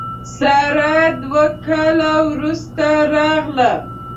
ساره دوه کاله وروسته راغله.